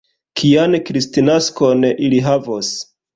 Kian kristnaskon ili havos?